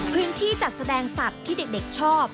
พื้นที่จัดแสดงสัตว์ที่เด็กชอบ